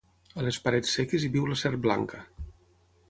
A les parets seques hi viu la serp blanca.